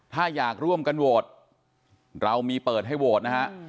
ถ้าอยากร่วมกันโหวตเรามีเปิดให้โหวตนะฮะ